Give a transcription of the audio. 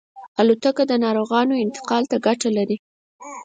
الوتکه د ناروغانو انتقال ته ګټه لري.